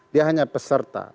dia hanya peserta